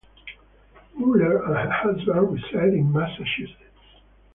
Mueller and her husband reside in Massachusetts.